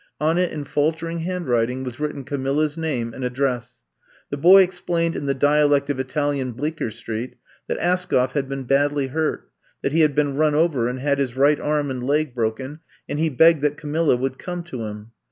On it in faltering handwriting was written Camilla's name and address. The boy explained in the dialect of Italian Bleecker Street that As koff had been badly hurt, that he had been run over and had his right arm and leg broken, and he begged that Camilla would come to him.